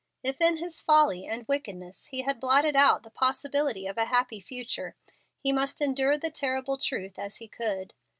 If in his folly and wickedness he had blotted out the possibility of a happy future, he must endure the terrible truth as he could.